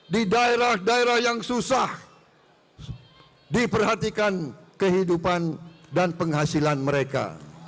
di daerah daerah yang susah diperhatikan kehidupan dan penghasilan mereka